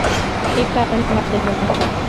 এ কারণে আমাদের মুনাফা কম।